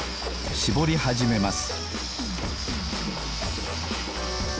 しぼりはじめます